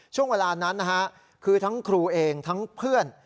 ช่วงเวลานั้นนะฮะคือทั้งครูเองทั้งเพื่อน